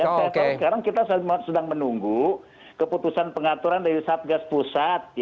kalau sekarang kita sedang menunggu keputusan pengaturan dari satgas pusat